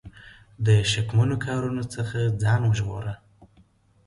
د شکمنو کارونو څخه ځان وژغوره.